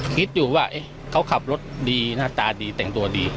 คิดอยู่ว่าเขาขับรถดีหน้าตาดีแต่งตัวดี